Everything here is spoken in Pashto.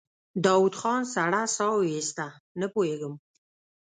داوود خان سړه سا وايسته: نه پوهېږم.